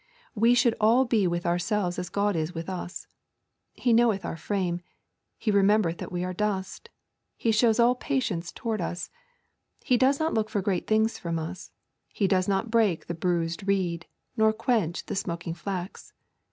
We should all be with ourselves as God is with us. He knoweth our frame. He remembereth that we are dust. He shows all patience toward us. He does not look for great things from us. He does not break the bruised reed, nor quench the smoking flax.